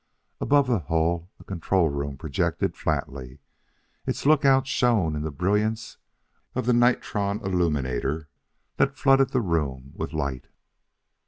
Above the hull a control room projected flatly; its lookouts shone in the brilliance of the nitron illuminator that flooded the room with light....